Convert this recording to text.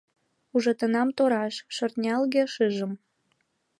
Ужатенам тораш шӧртнялге шыжым.